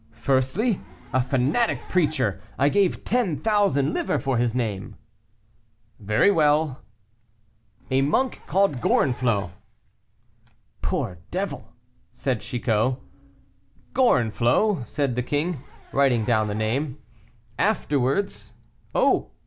"Firstly, a fanatic preacher; I gave ten thousand livres for his name." "Very well." "A monk called Gorenflot." "Poor devil!" said Chicot. "Gorenflot?" said the king, writing down the name; "afterwards " "Oh!"